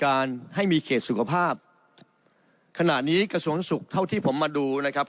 การให้มีเขตสุขภาพขณะนี้กระทรวงสุขเท่าที่ผมมาดูนะครับ